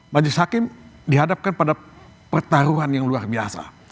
majelis hakim dihadapkan pada pertaruhan yang luar biasa